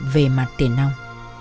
về mặt tiền năng